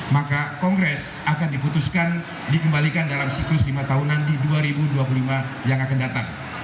maka kongres akan diputuskan dikembalikan dalam siklus lima tahunan di dua ribu dua puluh lima yang akan datang